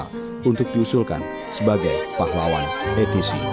mendiang agung juga akan dibawa ke forum asosiasi air traffic control indonesia